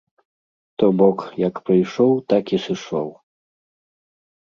То бок, як прыйшоў, так і сышоў.